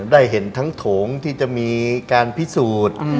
ได้เห็นทั้งโถงที่จะมีการพิสูจน์